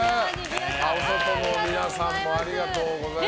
お外の皆さんもありがとうございます。